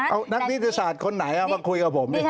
เอานักวิทยาศาสตร์คนไหนเอามาคุยกับผม